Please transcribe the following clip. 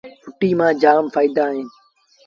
ڦُٽيٚ مآݩ جآم ڦآئيٚدآ اهيݩ